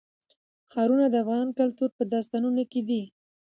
ښارونه د افغان کلتور په داستانونو کې دي.